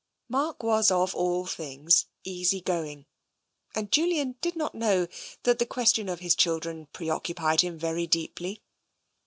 Mark was of all things easy going, and Julian did not know that the question of his children preoccupied him very deeply.